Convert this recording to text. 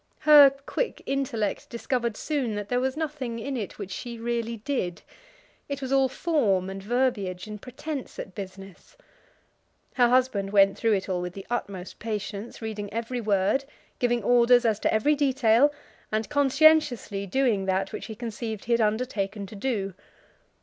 Her quick intellect discovered soon that there was nothing in it which she really did. It was all form and verbiage, and pretence at business. Her husband went through it all with the utmost patience, reading every word, giving orders as to every detail, and conscientiously doing that which he conceived he had undertaken to do.